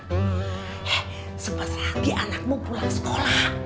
eh sempat lagi anakmu pulang sekolah